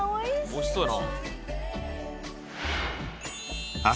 美味しそうやな。